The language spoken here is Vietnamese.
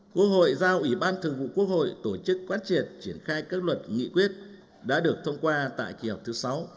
quốc hội giao ủy ban thường vụ quốc hội tổ chức quán triệt triển khai các luật nghị quyết đã được thông qua tại kỳ họp thứ sáu